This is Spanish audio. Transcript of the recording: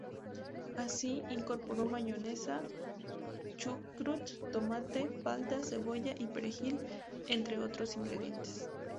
Así, incorporó mayonesa, chucrut, tomate, palta, cebolla y perejil, entre otros ingredientes.